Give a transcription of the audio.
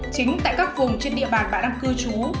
chính tại các vùng trên địa bàn bà đang cư trú